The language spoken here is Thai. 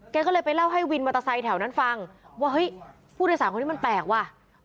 ก็เลยไปเล่าให้วินมอเตอร์ไซค์แถวนั้นฟังว่าเฮ้ยผู้โดยสารคนนี้มันแปลกว่ะ